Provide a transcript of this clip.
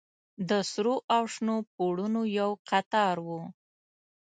د سرو او شنو پوړونو يو قطار و.